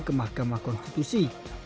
ke mahkamah konstitusi